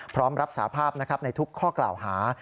พร้อมรับสาภาพในทุกข้อกล่าวหา